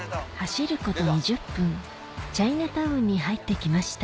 走ること２０分チャイナタウンに入ってきました